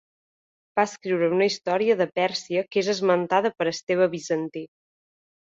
Va escriure una història de Pèrsia que és esmentada per Esteve Bizantí.